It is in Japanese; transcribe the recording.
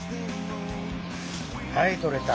はい取れた。